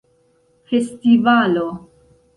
festivalo